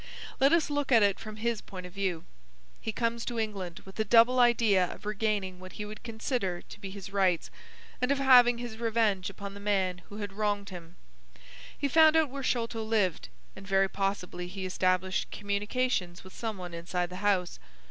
Let us look at it from his point of view. He comes to England with the double idea of regaining what he would consider to be his rights and of having his revenge upon the man who had wronged him. He found out where Sholto lived, and very possibly he established communications with some one inside the house.